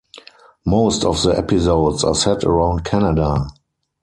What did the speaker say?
Most of the episodes are set around Canada.